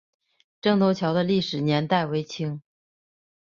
镇东桥的历史年代为清。